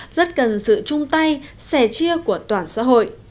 rất cần sự chung tay sẻ chia của toàn xã hội